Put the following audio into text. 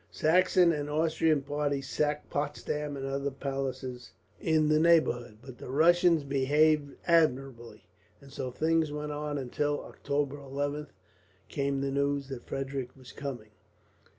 Saxon and Austrian parties sacked Potsdam and other palaces in the neighbourhood, but the Russians behaved admirably; and so things went on until, on October 11th, came the news that Frederick was coming.